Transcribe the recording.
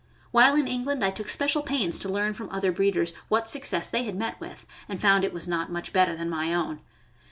While in England I took special pains to learn from other breeders what success they had met with, and found it was not much better than my own.